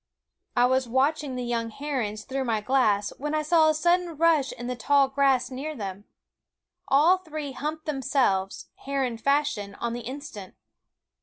I was watching the young herons through my glass when I saw a sudden rush in the tall grass near them. All three humped themselves, heron fashion, on the instant.